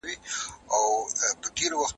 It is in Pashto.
چېري د محرمیت قوانین پلي کیږي؟